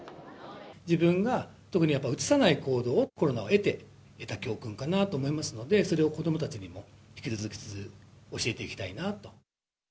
自分が特にやっぱりうつさない行動を、コロナを経て得た教訓かなと思いますので、それを子どもたちにも引き続き教えていきたいなと。